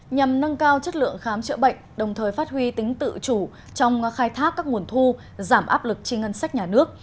nhằm nâng cao chất lượng khám chữa bệnh đồng thời phát huy tính tự chủ trong khai thác các nguồn thu giảm áp lực chi ngân sách nhà nước